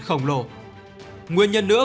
khổng lồ nguyên nhân nữa